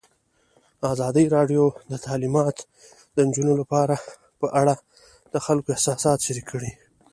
ازادي راډیو د تعلیمات د نجونو لپاره په اړه د خلکو احساسات شریک کړي.